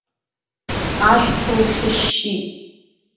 Ашәҭқәа лхьышьшьит.